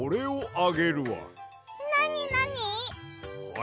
あ！